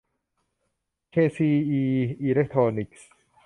เคซีอี อีเลคโทรนิคส์